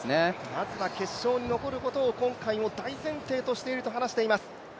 まずは決勝に残ることを今回も大前提としているとしています。